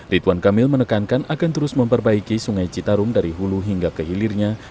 rituan kamil menekankan akan terus memperbaiki sungai citarum dari hulu hingga ke hilirnya